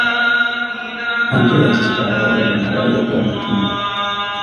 Ambyulensi zitwala abalwadde mu malwaliro go mu bitundu.